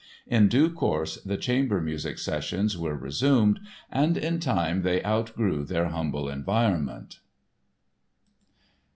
In due course the chamber music sessions were resumed and in time they outgrew their humble environment.